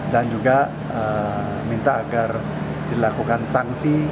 dan juga minta agar dilakukan sanksi